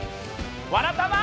「わらたま」。